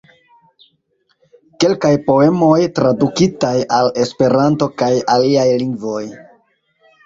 Kelkaj poemoj tradukitaj al Esperanto kaj aliaj lingvoj.